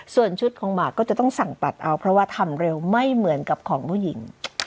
ส่วนชุดของหมากก็จะต้องสั่งตัดเอาเพราะว่าทำเร็วไม่เหมือนกับของผู้หญิง